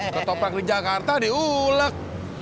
ketoprak di jakarta diulek